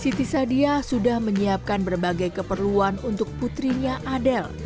siti sadiah sudah menyiapkan berbagai keperluan untuk putrinya adel